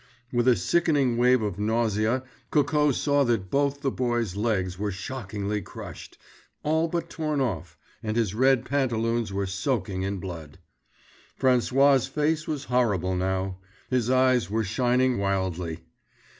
With a sickening wave of nausea Coco saw that both the boy's legs were shockingly crushed, all but torn off, and his red pantaloons were soaking in blood. François's face was horrible now; his eyes were shining wildly.